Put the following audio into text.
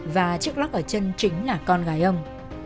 và chiếc lắc ở chân chính là con gái ông